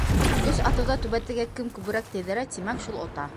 Өс атыуҙа түбәтәйгә кем күберәк тейҙерә, тимәк, шул ота.